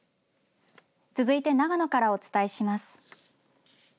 続いて、長野からお伝えします。